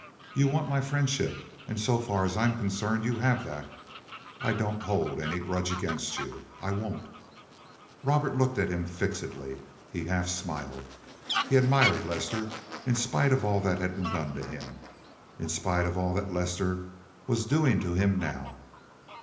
You want my friendship and so far as I'm concerned you have that. I don't hold any grudge against you. I won't." Robert looked at him fixedly. He half smiled. He admired Lester in spite of all that he had done to him—in spite of all that Lester was doing to him now.